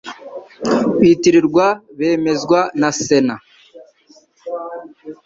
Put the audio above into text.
batirirwa bemezwa na Sena.